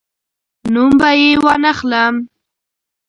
نوم به یې وانخلم.